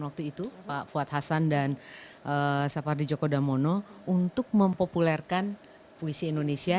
waktu itu pak fuad hasan dan sapardi joko damono untuk mempopulerkan puisi indonesia